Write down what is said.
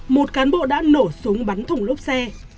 một cán bộ đã nổ súng bắn thùng lốp xe